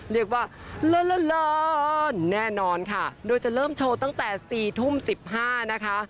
เรียกว่าเลิศแน่นอนค่ะโดยจะเริ่มโชว์ตั้งแต่๔ทุ่ม๑๕นะคะ